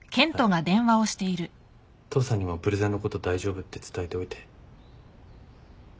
父さんにもプレゼンのこと大丈夫って伝えておいて。